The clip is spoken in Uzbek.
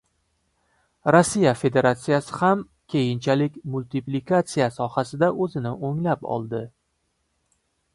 Rossiya Federatsiyasi ham keyinchalik multiplikatsiya sohasida o‘zini o‘nglab oldi.